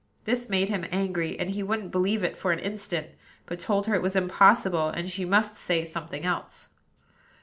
This made him angry, and he wouldn't believe it for an instant; but told her it was impossible, and she must say something else.